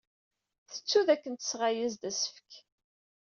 Tettu dakken tesɣa-as-d asefk.